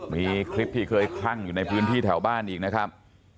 มีคลิปที่เคยคลั่งอยู่ในพื้นที่แถวบ้านอีกนะครับ